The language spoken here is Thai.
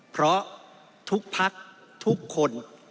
เพราะทุกภักดิ์ทุกคน